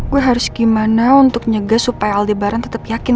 gue harus gimana untuk nyegah supaya aldebaran tetep yakin